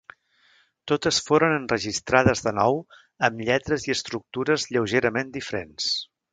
Totes foren enregistrades de nou amb lletres i estructures lleugerament diferents.